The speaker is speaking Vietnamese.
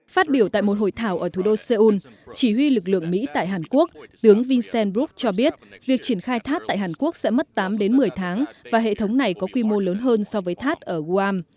phát biểu tại một hội thảo ở thủ đô seoul chỉ huy lực lượng mỹ tại hàn quốc tướng vingen brub cho biết việc triển khai tháp tại hàn quốc sẽ mất tám đến một mươi tháng và hệ thống này có quy mô lớn hơn so với tháp ở guam